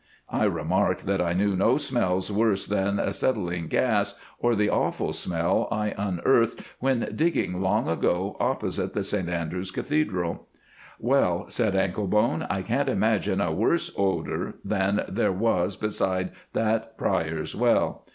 I remarked that I knew no smells worse than acetylene gas or the awful smell I unearthed when digging, long ago, opposite the St Andrews Cathedral. "Well," said Anklebone, "I can't imagine a worse odour than there was beside that Prior's Well.